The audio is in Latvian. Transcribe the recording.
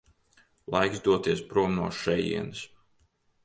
Laiks doties prom no šejienes.